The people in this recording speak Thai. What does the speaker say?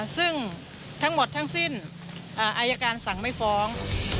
ซึ่งทั้งหมดทั้งสิ้นอายการสั่งไม่ฟ้อง